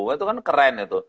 itu kan keren itu